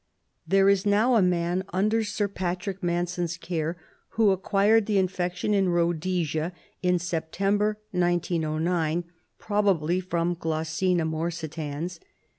There is now a man under Sir P. Hanson's care who acquired the infection in Ehodesia in September, 1909, probably from Glossina morsitans.